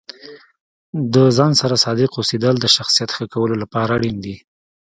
د ځان سره صادق اوسیدل د شخصیت ښه کولو لپاره اړین دي.